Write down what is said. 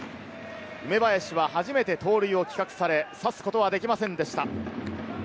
梅林は初めて盗塁を企画され、刺すことができませんでした。